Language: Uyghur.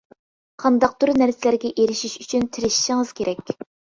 قانداقتۇر نەرسىلەرگە ئېرىشىش ئۈچۈن تىرىشىشىڭىز كېرەك.